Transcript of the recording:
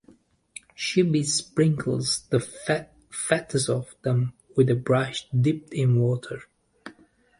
She besprinkles the fattest of them with a brush dipped in water.